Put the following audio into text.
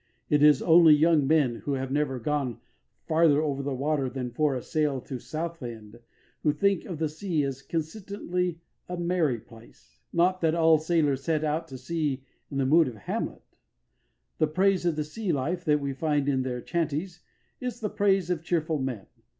It is only young men who have never gone farther over the water than for a sail at Southend who think of the sea as consistently a merry place. Not that all sailors set out to sea in the mood of Hamlet. The praise of the sea life that we find in their chanties is the praise of cheerful men.